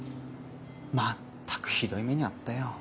まったくひどい目に遭ったよ。